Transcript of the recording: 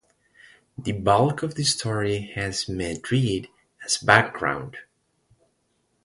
The bulk of the story has Madrid as background.